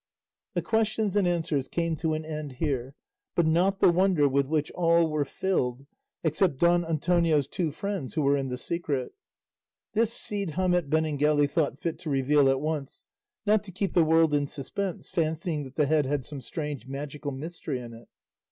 The questions and answers came to an end here, but not the wonder with which all were filled, except Don Antonio's two friends who were in the secret. This Cide Hamete Benengeli thought fit to reveal at once, not to keep the world in suspense, fancying that the head had some strange magical mystery in it.